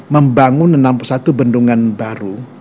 membangun enam puluh satu bendungan baru